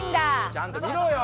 ちゃんと見ろよ！